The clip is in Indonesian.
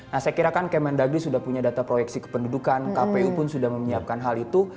nah saya kira kan kemendagri sudah punya data proyeksi kependudukan kpu pun sudah menyiapkan hal itu